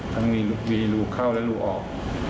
ทั้งมีรูเข้าและรูออก